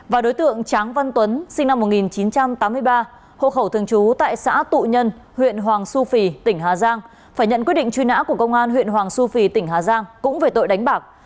và đối tượng tráng văn tuấn sinh năm một nghìn chín trăm tám mươi ba hộ khẩu thường trú tại xã tụ nhân huyện hoàng su phi tỉnh hà giang phải nhận quyết định truy nã của công an huyện hoàng su phi tỉnh hà giang cũng về tội đánh bạc